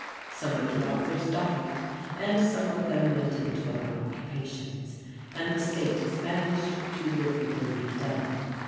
Some of the authors died, and some of them went into other occupations, and the state has managed to live the belief down.